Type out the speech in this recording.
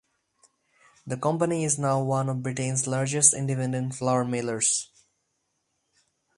The company is now one of Britain's largest independent flour millers.